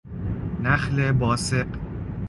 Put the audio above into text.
نخل باسق